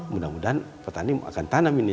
mudah mudahan petani akan tanam ini